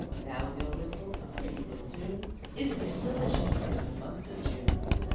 Now he'll whistle a pretty little tune, Isn't it delicious in the month of June?